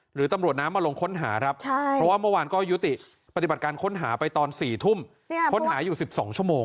หรือตำรวจน้ำมาลงค้นหาครับเพราะว่าเมื่อวานก็ยุติปฏิบัติการค้นหาไปตอน๔ทุ่มค้นหาอยู่๑๒ชั่วโมง